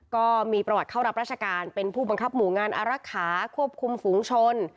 ก็มีประวัติเข้ารับราชการเป็นผู้บังคับหมู่งานอารักษาควบคุมฝูงชน